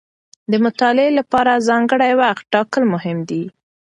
د مطالعې لپاره ځانګړی وخت ټاکل مهم دي.